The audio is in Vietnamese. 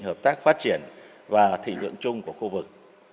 hợp tác phát triển và thị lượng chung của khu vực